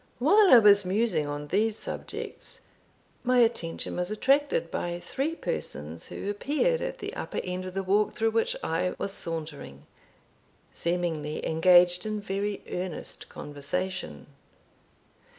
While I was musing on these subjects, my attention was attracted by three persons who appeared at the upper end of the walk through which I was sauntering, seemingly engaged in very earnest conversation.